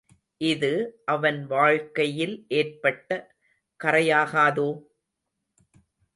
இது அவன் வாழ்க்கையில் ஏற்பட்ட கறையாகாதோ?